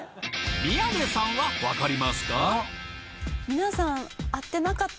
宮根さんは分かりますか？